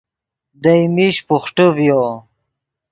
دئے میش بوخٹے ڤیو